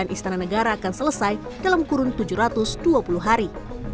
istana negara akan selesai dalam kurun tujuh ratus dua puluh hari